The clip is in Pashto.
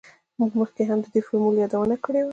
موږ مخکې هم د دې فورمول یادونه کړې وه